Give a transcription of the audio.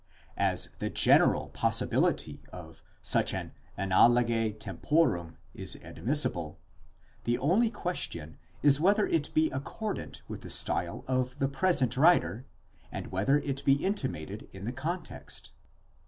As the general possibility of such an enxallage temporum is admissible, the only question is whether it be accordant with the style of the present writer, and whether it be intimated in the context.